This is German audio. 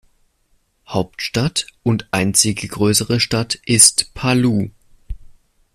Hauptstadt und einzige größere Stadt ist Palu.